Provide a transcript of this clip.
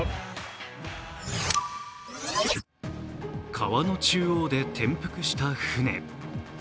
川の中央で転覆した舟。